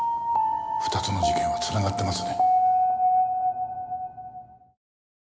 ２つの事件は繋がってますね。